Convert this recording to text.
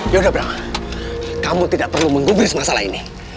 ya sudah brang kamu tidak perlu mengubris masalah ini